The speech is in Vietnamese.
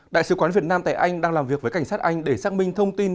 đại sứ quán việt nam tại anh đang làm việc với cảnh sát anh để xác minh thông tin